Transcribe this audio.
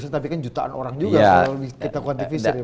tapi kan jutaan orang juga kalau kita kuantifikasi